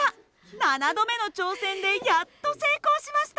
７度目の挑戦でやっと成功しました。